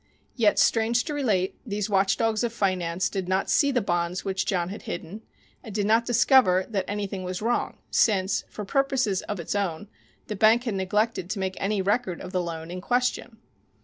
Yet, strange to relate, these watchdogs of finance, did not see the bonds which John had hidden, and did not discover that anything was wrong, since, for purposes of its own, the bank had neglected to make any record of the loan in question.